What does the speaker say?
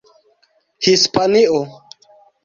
hispanio